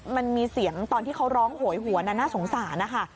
มันมีเสียงตอนที่เขาร้องโหยหวนน่าสงสารนะคะ